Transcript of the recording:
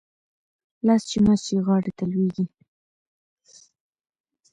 لاس چې مات شي ، غاړي ته لوېږي .